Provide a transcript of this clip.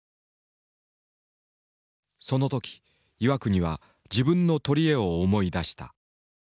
その時岩國は自分の取り柄を思い出した。